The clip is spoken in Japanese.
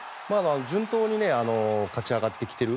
順当に勝ち上がってきている。